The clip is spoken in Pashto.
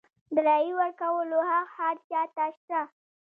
د رایې ورکولو حق هر چا ته شته.